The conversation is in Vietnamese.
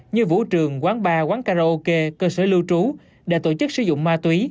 như vũ trường quán bar quán karaoke cơ sở lưu trung